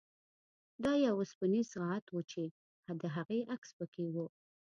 دا یو اوسپنیز ساعت و چې د هغې عکس پکې و